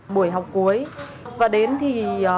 buổi học cuối và đến thì